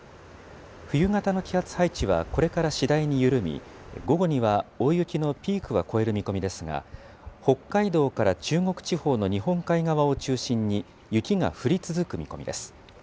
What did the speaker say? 冬型の気圧配置はこれから次第に緩み、午後には大雪のピークは超える見込みですが、北海道から中国地方の日本海側を中心に、雪が降り続く見込みです。